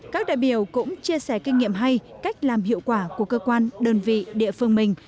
các đại biểu cũng chia sẻ kinh nghiệm hay cách làm hiệu quả của cơ quan đơn vị địa phương mình